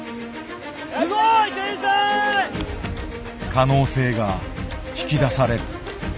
可能性が引き出される。